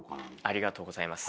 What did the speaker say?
ありがとうございます。